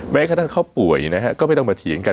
แม้แทนการเขาป่วยนะฮะ